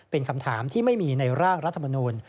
เป็นคำถามที่ไม่มีในร่างรัฐมนูล